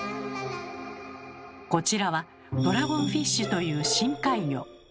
こちらはドラゴンフィッシュという深海魚。